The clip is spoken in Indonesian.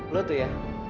lo tuh ya